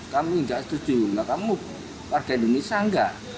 kami tidak setuju warga indonesia tidak